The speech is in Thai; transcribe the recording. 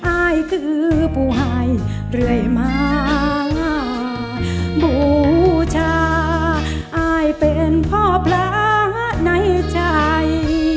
อายคือผู้ให้เรื่อยมาบูชาอายเป็นพ่อพระในใจ